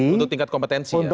untuk tingkat kompetensi ya